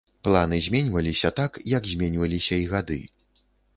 Планы зменьваліся так, як зменьваліся і гады.